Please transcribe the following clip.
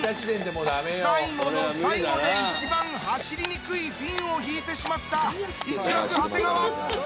最後の最後で一番走りにくいフィンを引いてしまった１枠長谷川。